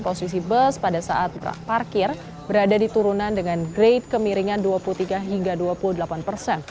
posisi bus pada saat parkir berada di turunan dengan grade kemiringan dua puluh tiga hingga dua puluh delapan persen